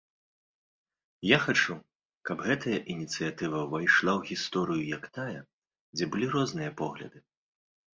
Я хачу, каб гэтая ініцыятыва увайшла у гісторыю як тая, дзе былі розныя погляды.